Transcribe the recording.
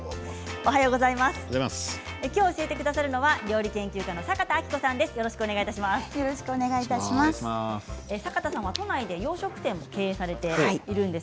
今日教えてくださるのは料理研究家の坂田阿希子さんです。